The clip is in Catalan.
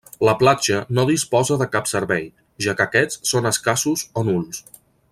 La platja no disposa de cap servei, ja que aquests són escassos o nuls.